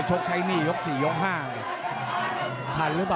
มั่นใจว่าจะได้แชมป์ไปพลาดโดนในยกที่สามครับเจอหุ้กขวาตามสัญชาตยานหล่นเลยครับ